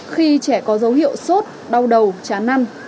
khi trẻ có dấu hiệu sốt đau đầu chán năn